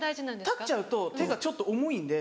立っちゃうと手がちょっと重いんで。